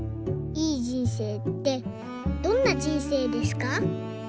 いい人生ってどんな人生ですか？」。